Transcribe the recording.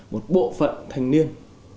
một bộ phận thanh niên